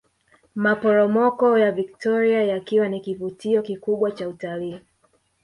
Maporomoko ya Viktoria yakiwa ni kivutio kikubwa cha utalii